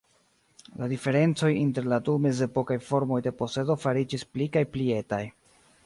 La diferencoj inter la du mezepokaj formoj de posedo fariĝis pli kaj pli etaj.